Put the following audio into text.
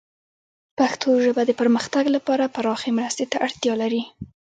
پښتو ژبه د پرمختګ لپاره پراخې مرستې ته اړتیا لري.